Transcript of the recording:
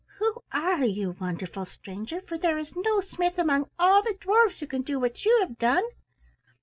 Who are you, wonderful stranger, for there is no smith among all the dwarfs who can do what you have done?"